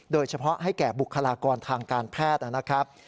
โดยเฉพาะให้แก่บุคลากรทางการแพทย์นะครับ